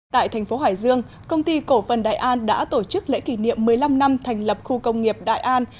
tại thành phố hải dương công ty cổ phần đại an đã tổ chức lễ kỷ niệm một mươi năm năm thành lập khu công nghiệp đại an